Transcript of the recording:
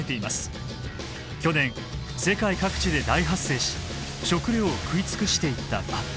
去年世界各地で大発生し食料を食い尽くしていったバッタ。